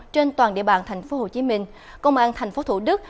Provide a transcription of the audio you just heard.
trên toàn địa bàn thành phố hồ chí minh công an thành phố thủ đức